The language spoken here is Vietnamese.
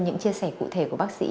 những chia sẻ cụ thể của bác sĩ